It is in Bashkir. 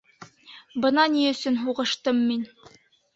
Бына ни өсөн һуғыштым мин!